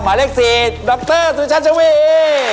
หมาเรียกสิทธิ์ดรสุชาชวี